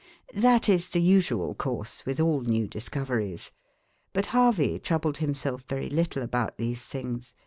That is the usual course with all new discoveries. But Harvey troubled himself very little about these things.